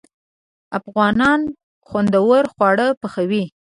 افغانان خوندور خواړه پخوي.